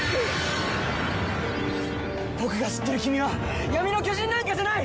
僕が知ってる君は闇の巨人なんかじゃない！